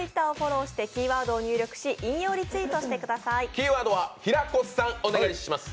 キーワードは平子さん、お願いします。